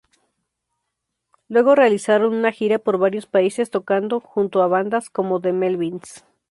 Luego realizaron una gira por varios países tocando junto a bandas como The Melvins.